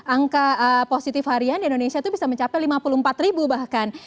angka positif harian di indonesia itu bisa mencapai lima puluh empat ribu bahkan